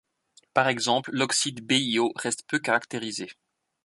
Par exemple, l'oxyde BiO reste peu caractérisé.